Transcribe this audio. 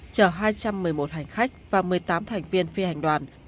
chở hai trăm một mươi một hành khách và một mươi tám thành viên phi hành đoàn